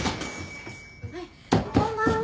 はいこんばんは。